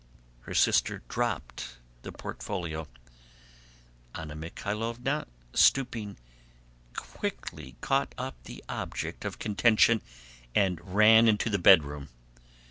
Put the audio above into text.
Her sister dropped the portfolio. Anna Mikháylovna, stooping, quickly caught up the object of contention and ran into the bedroom.